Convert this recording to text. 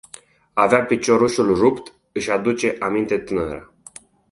Avea piciorușul rupt, își aduce aminte tânăra.